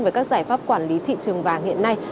về các giải pháp quản lý thị trường vàng hiện nay